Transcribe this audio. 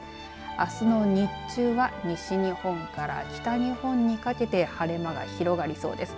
あすの日中は西日本から北日本にかけて晴れ間が広がりそうです。